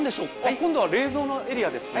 今度は冷蔵のエリアですね。